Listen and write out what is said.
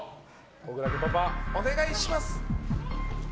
小倉家パパお願いします。